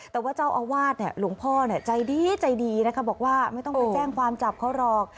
แต่ว่าเจ้าอาวาสเนี่ยหลวงพ่อใจดีใจดีนะคะบอกว่าไม่ต้องไปแจ้งความจับเขาหรอก